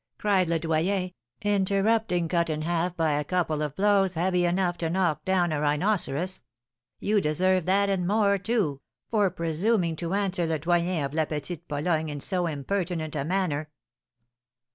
cried Le Doyen, interrupting Cut in Half by a couple of blows heavy enough to knock down a rhinoceros; 'you deserve that and more, too, for presuming to answer Le Doyen of La Petite Pologne in so impertinent a manner.'"